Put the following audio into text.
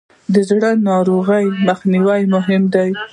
د زړه ناروغیو مخنیوی مهم دی.